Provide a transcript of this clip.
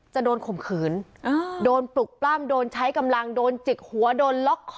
จะโดนข่มขืนโดนปลุกปล้ำโดนใช้กำลังโดนจิกหัวโดนล็อกคอ